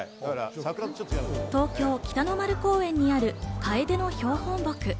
東京・北の丸公園にあるカエデの標本木。